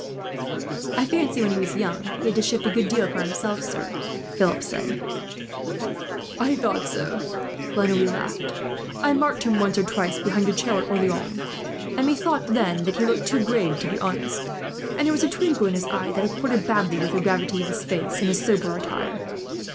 "I fancy, when he was young, he had to shift a good deal for himself, sir," Philip replied. "I thought so," La Noue laughed. "I marked him once or twice, behind your chair at Orleans; and methought, then, that he looked too grave to be honest; and there was a twinkle in his eye, that accorded badly with the gravity of his face, and his sober attire.